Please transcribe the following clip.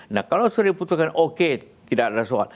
nah kalau sudah diputuskan oke tidak ada soal